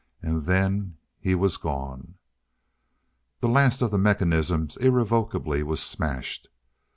And then he was gone. The last of the mechanisms irrevocably was smashed.